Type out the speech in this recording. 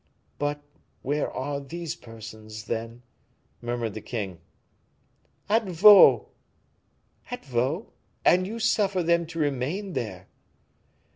"But where are these persons, then?" murmured the king. "At Vaux." "At Vaux! and you suffer them to remain there!"